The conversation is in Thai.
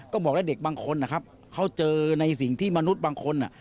ก็บอกแล้วเด็กบางคนนะครับเขาเจอในสิ่งที่มนุษย์บางคน